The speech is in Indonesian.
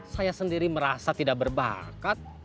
saya sendiri merasa tidak berbakat